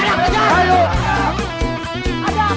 kang gadang keluar